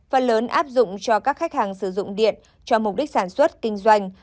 phần lớn áp dụng cho các khách hàng sử dụng điện cho mục đích sản xuất kinh doanh